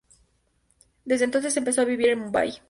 Desde entonces empezó a vivir en Mumbai.